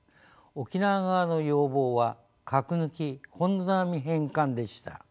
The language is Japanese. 沖縄側の要望は「核抜き本土並み返還」でした。